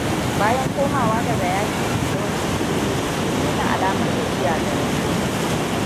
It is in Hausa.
Bayan komowa daga yaƙi yawancin sojojin sun nuna alamar gajiya da rauni.